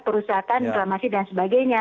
perusahaan inflamasi dan sebagainya